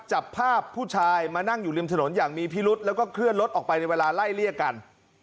จับภาพผู้ชายมานั่งอยู่ริมถนนอย่างมีพิรุษแล้วก็เคลื่อนรถออกไปในเวลาไล่เลี่ยกัน